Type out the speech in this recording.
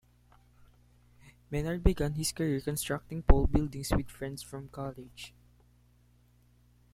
Menard began his career constructing pole buildings with friends from college.